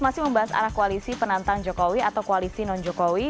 masih membahas arah koalisi penantang jokowi atau koalisi non jokowi